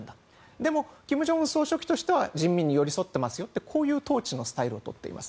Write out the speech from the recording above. でも、金正恩総書記としては人民に寄り添っているという統治のスタンスをとっています。